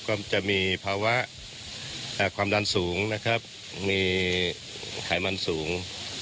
ก็จะมีภาวะความดันสูงนะครับมีไขมันสูง